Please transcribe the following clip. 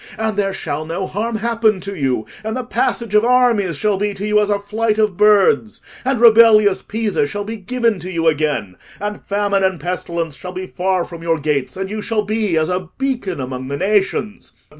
And there shall no harm happen to you: and the passage of armies shall be to you as a flight of birds, and rebellious Pisa shall be given to you again, and famine and pestilence shall be far from your gates, and you shall be as a beacon among the nations.